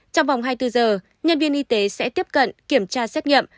trong vòng hai mươi bốn giờ nhân viên y tế sẽ tiếp cận kiểm tra xét nghiệm